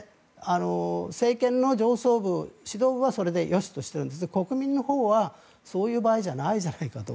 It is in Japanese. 政権の上層部、指導部はそれでよしとしていますが国民のほうは、そういう場合じゃないじゃないかと。